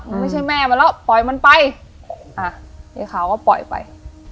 ไม่ใช่แม่มันแล้วปล่อยมันไปอ่ะยายขาวก็ปล่อยไป